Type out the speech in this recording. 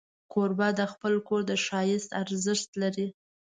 کوربه د خپل کور د ښایست ارزښت لري.